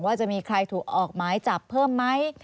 ว่าจะมีใครถูกออกหมายจับเพิ่มไหม